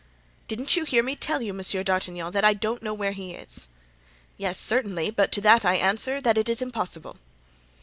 "Didn't you hear me tell you, Monsieur d'Artagnan, that I don't know where he is?" "Yes, certainly; but to that I answer that it is impossible."